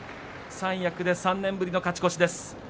三役で３年ぶりの勝ち越しです。